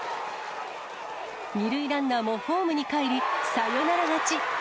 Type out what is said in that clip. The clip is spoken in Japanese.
２塁ランナーもホームにかえり、サヨナラ勝ち。